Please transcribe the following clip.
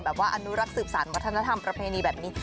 อนุรักษ์สืบสารวัฒนธรรมประเพณีแบบนี้